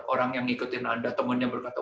orang yang ngikutin anda temennya berkata